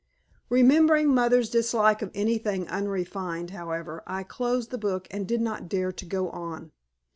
Remembering mother's dislike of anything unrefined, however, I closed the book and did not dare to go on.